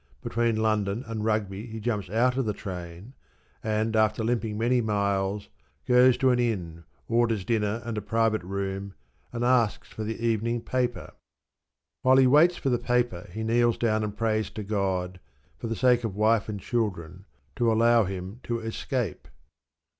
Between London and Rugby he jumps out of the train, and, after limping many miles, goes to an inn, orders dinner and a private room, and asks for the evening paper. While he waits for the paper he kneels down and prays to God, for the sake of wife and children, to allow him to escape.